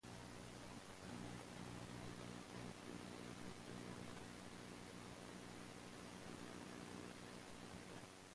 Increased paternal age has also been correlated to schizophrenia in numerous studies.